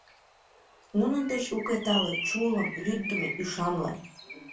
Нунын дечын уке тале, Чулым, лӱддымӧ, ӱшанле.